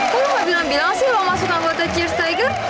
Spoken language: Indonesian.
kok lo gak bilang bilang sih mama suka buatnya cheers tiger